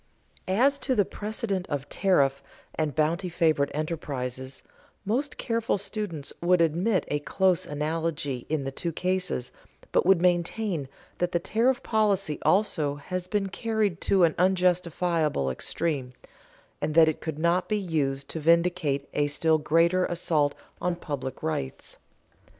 As to the precedent of tariff and bounty favored enterprises, most careful students would admit a close analogy in the two cases, but would maintain that the tariff policy also has been carried to an unjustifiable extreme, and that it could not be used to vindicate a still greater assault on public rights.